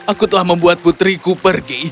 aku telah membuat putriku pergi